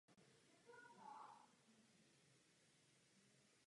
Aktuální počet obyvatel není doposud znám.